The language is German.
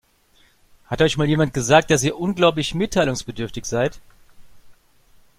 Hat euch mal jemand gesagt, dass ihr unglaublich mitteilungsbedürftig seid?